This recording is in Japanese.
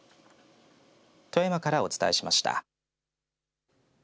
富山からお伝えしました。